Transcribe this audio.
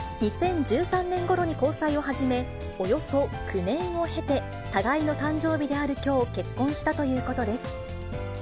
２０１３年ごろに交際を始め、およそ９年を経て、互いの誕生日であるきょう、結婚したということです。